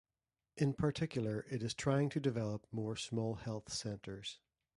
In particular it is trying to develop more small health centres.